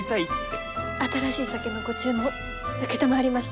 新しい酒のご注文承りました。